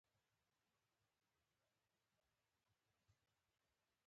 د دغو مري ډوله وګړو حالت په رسمي اسنادو کې بیان شوی